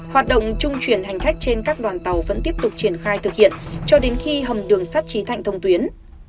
hoạt động trung chuyển hành khách trên các đoàn tàu vẫn tiếp tục triển khai thực hiện cho đến khi hầm đường sắt trí thạnh thông tuyến